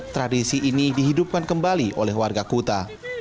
tradisi ini dihidupkan kembali oleh warga kuta